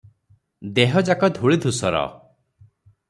ଦେହଯାକ ଧୂଳିଧୂସର ।